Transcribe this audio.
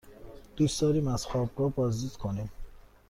دوست داریم از خوابگاه بازدید کنیم.